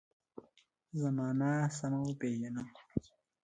زمانه سمه وپېژنو.